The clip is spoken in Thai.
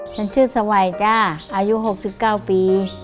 ฉันชื่อสวัยจ้าอายุ๖๙ปี